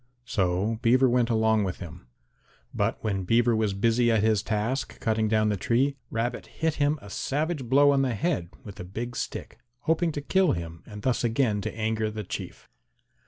So Beaver went along with him. But when Beaver was busy at his task cutting down the tree, Rabbit hit him a savage blow on the head with a big stick hoping to kill him and thus again to anger the Chief.